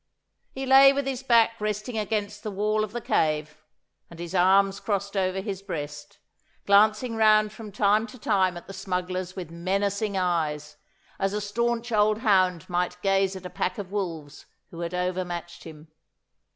He lay with his back resting against the wall of the cave, and his arms crossed over his breast, glancing round from time to time at the smugglers with menacing eyes, as a staunch old hound might gaze at a pack of wolves who had overmatched him.